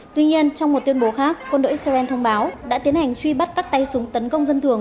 tuy nhiên trong một tuyên bố khác quân đội israel thông báo đã tiến hành truy bắt các tay súng tấn công dân thường